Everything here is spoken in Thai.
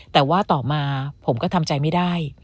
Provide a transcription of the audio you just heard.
แต่ว่าต่อมาผมก็ทำใจไม่ได้